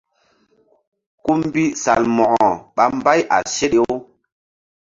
Kú mbi Salmo̧ko ɓa mbay a seɗe-u.